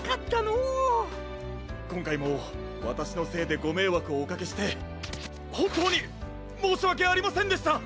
こんかいもわたしのせいでごめいわくをおかけしてほんとうにもうしわけありませんでした！